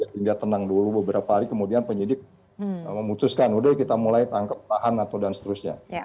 sehingga tenang dulu beberapa hari kemudian penyidik memutuskan udah kita mulai tangkep tahan atau dan seterusnya